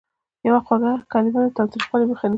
یوه خوږه کلمه د تاوتریخوالي مخه نیسي.